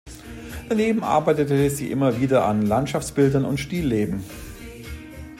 Daneben arbeitete sie immer wieder an Landschaftsbildern und Stillleben.